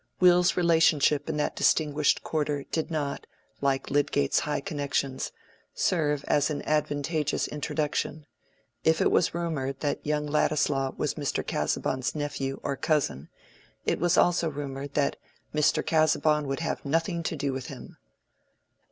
Will's relationship in that distinguished quarter did not, like Lydgate's high connections, serve as an advantageous introduction: if it was rumored that young Ladislaw was Mr. Casaubon's nephew or cousin, it was also rumored that "Mr. Casaubon would have nothing to do with him."